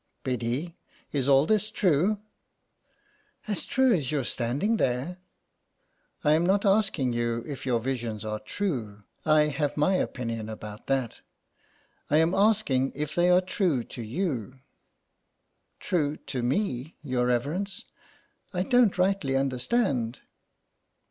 '' Biddy, is all this true ?''" As true as you're standing there." " I am not asking you if your visions are true I have my opinion about that. I am asking if they are true to you." " True to me, your reverence ? I don't rightly understand."